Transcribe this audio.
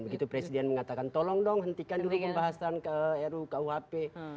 begitu presiden mengatakan tolong dong hentikan dulu pembahasan ke ru ke uhp